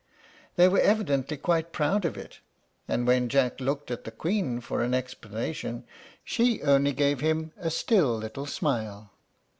They were evidently quite proud of it; and when Jack looked at the Queen for an explanation, she only gave him a still little smile.